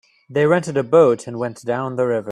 They rented a boat and went down the river.